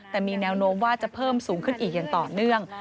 แต่มีแนวโน้มว่าจะเพิ่มสูงขึ้นอีกอย่างต่อเนื่อง